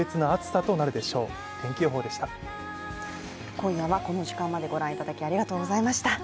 今夜はこの時間までご覧いただきありがとうございました。